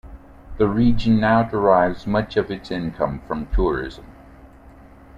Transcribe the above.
The region now derives much of its income from tourism.